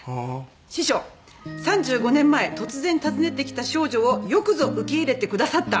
「師匠３５年前突然訪ねてきた少女をよくぞ受け入れてくださった」